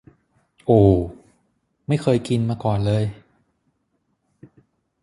โอว ไม่เคยกินมาก่อนเลย